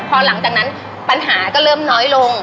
พอหลังจากนั้นปัญหาก็เริ่มน้อยลง